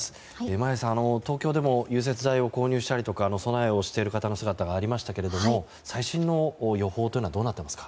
眞家さん、東京でも融雪剤を購入したりですとか備えをしている方の姿がありましたが最新の予報はどうなっていますか？